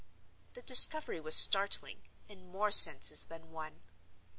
The discovery was startling, in more senses than one.